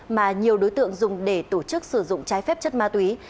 mà nhiều đối tượng dùng để tổ chức sử dụng trái phép chất ma túy